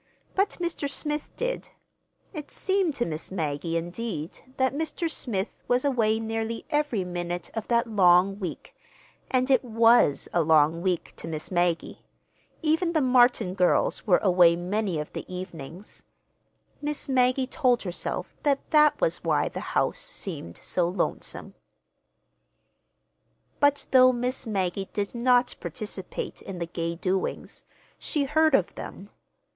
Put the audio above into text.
But Mr. Smith did. It seemed to Miss Maggie, indeed, that Mr. Smith was away nearly every minute of that long week—and it was a long week to Miss Maggie. Even the Martin girls were away many of the evenings. Miss Maggie told herself that that was why the house seemed so lonesome. But though Miss Maggie did not participate in the gay doings, she heard of them.